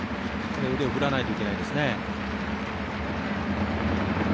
腕を振らないといけないですね。